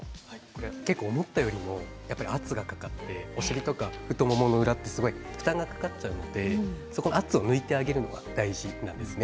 思ったよりも圧がかかってお尻とか太ももの裏って負担がかかっちゃうので圧を抜いてあげるのが大事なんですね。